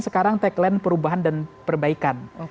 sekarang tagline perubahan dan perbaikan